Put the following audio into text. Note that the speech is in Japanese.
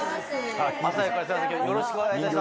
朝早くからよろしくお願いいたします。